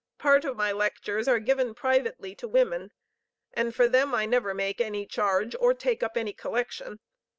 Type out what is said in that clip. Part of my lectures are given privately to women, and for them I never make any charge, or take up any collection.